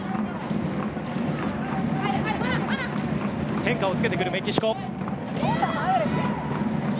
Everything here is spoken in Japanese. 変化をつけてくるメキシコ。